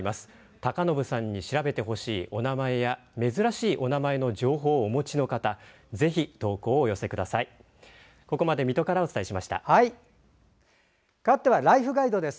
高信さんに調べてほしいお名前や珍しいお名前の情報をお持ちの方かわっては「ライフがいど」です。